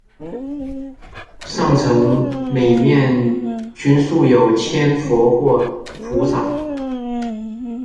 上层每面均塑有千佛或菩萨。